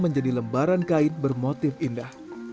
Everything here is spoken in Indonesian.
menjadi lembaran kain bermotif indah